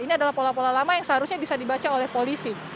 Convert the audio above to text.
ini adalah pola pola lama yang seharusnya bisa dibaca oleh polisi